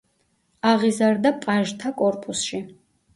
აღიზარდა პაჟთა კორპუსში.